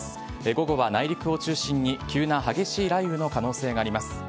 午後は内陸を中心に、急な激しい雷雨の可能性があります。